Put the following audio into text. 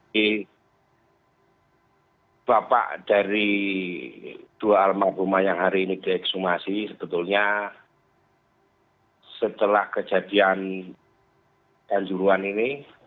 jadi bapak dari dua almarhumah yang hari ini diekshumasi sebetulnya setelah kejadian tanjuruan ini